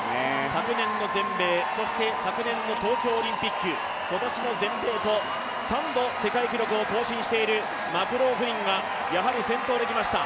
昨年の全米、そして昨年の東京オリンピック、今年の全米と３度、世界記録を更新しているマクローフリンがやはり先頭で来ました。